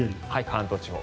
関東地方。